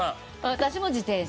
私も自転車。